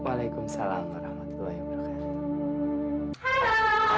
waalaikumsalam warahmatullahi wabarakatuh